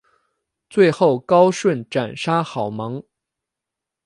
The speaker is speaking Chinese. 最后高顺斩杀郝萌。